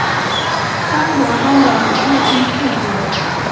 生活中的每一分细节